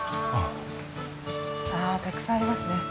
たくさんありますね。